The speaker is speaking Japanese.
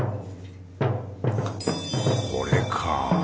これかぁ。